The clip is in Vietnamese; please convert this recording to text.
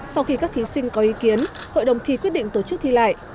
sau khi các thí sinh có ý kiến hội đồng thi quyết định tổ chức thi lại